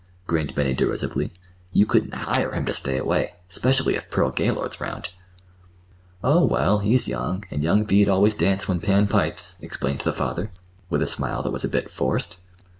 grinned Benny derisively. "You couldn't hire him ter stay away—'specially if Pearl Gaylord's 'round." "Oh, well, he's young, and young feet always dance When Pan pipes," explained the father, with a smile that was a bit forced.